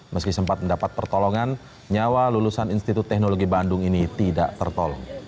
meski sempat mendapat pertolongan nyawa lulusan institut teknologi bandung ini tidak tertolong